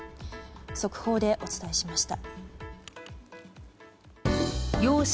速報でお伝えしました。